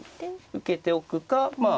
受けておくかまあ